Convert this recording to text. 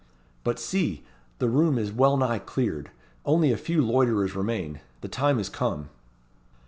But see! the room is well nigh cleared. Only a few loiterers remain. The time is come."